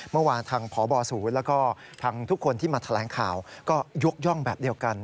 เมื่อวานทางพบศูนย์แล้วก็ทางทุกคนที่มาแถลงข่าวก็ยกย่องแบบเดียวกัน